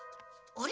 あれ？